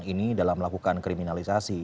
ini dalam melakukan kriminalisasi